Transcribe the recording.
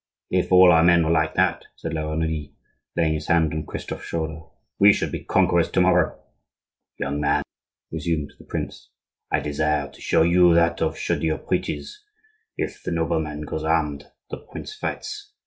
If all our men were like that," said La Renaudie, laying his hand on Christophe's shoulder, "we should be conquerors to morrow." "Young man," resumed the prince, "I desire to show you that if Chaudieu preaches, if the nobleman goes armed, the prince fights.